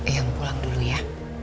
yang pulang dulu ya